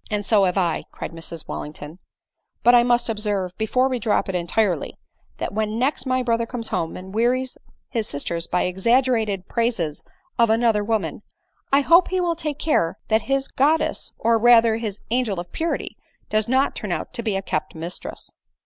" And so have I," cried Mrs Wallington ; "but I must observe, before we drop it entirely, that when next my brother comes home and wearies his sisters by exaggera ted praises of another woman, I hope he will take care that his goddess, or rather his angel of purity does not turn out to be a kept mistress."